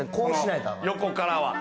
横からは。